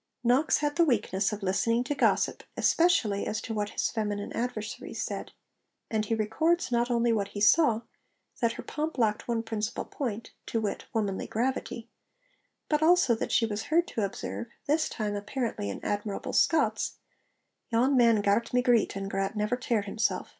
Knox had the weakness of listening to gossip, especially as to what his feminine adversaries said; and he records not only what he saw, that 'her pomp lacked one principal point, to wit, womanly gravity,' but also that she was heard to observe this time apparently in admirable Scots 'Yon man gart me greet, and grat never tear himself.